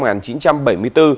nguyên chủ tịch ubnd